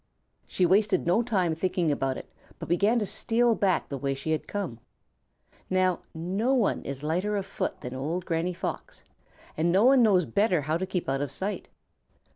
She wasted no time thinking about it, but began to steal back the way she had come. Now, no one is lighter of foot than old Granny Fox, and no one knows better how to keep out of sight.